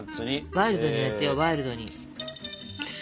ワイルドにやってよワイルドに。